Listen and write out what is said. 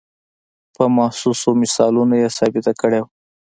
په محسوسو مثالونو یې ثابته کړې وه.